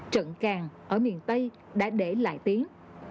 trận càng ở miền tây đã để lại tiếng